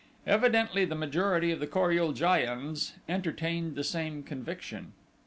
Evidently the majority of the Kor ul jaians entertained the same conviction.